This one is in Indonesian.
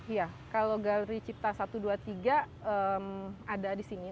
iya kalau galeri cipta satu ratus dua puluh tiga ada di sini